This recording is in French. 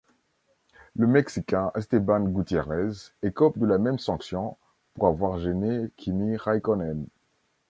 Le Mexicain Esteban Gutiérrez écope de la même sanction pour avoir gêné Kimi Räikkönen.